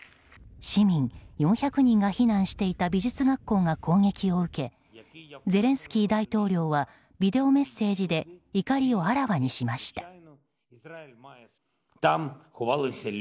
市民４００人が避難していた美術学校が攻撃を受けゼレンスキー大統領はビデオメッセージで怒りをあらわにしました。